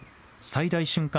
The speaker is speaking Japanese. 最大瞬間